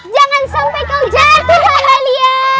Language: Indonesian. jangan sampai kau jatuh ahalia